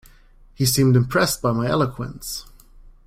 He seemed impressed by my eloquence.